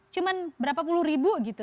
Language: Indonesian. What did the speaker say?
cuma berapa puluh ribu gitu